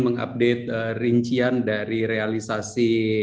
mengupdate rincian dari realisasi